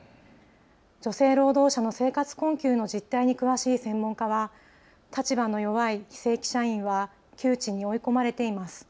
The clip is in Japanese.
女性労働者の生活困窮の実態に詳しい専門家は立場の弱い非正規社員は窮地に追い込まれています。